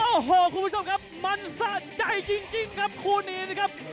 โอ้โหคุณผู้ชมครับมันสะใจจริงครับคู่นี้นะครับ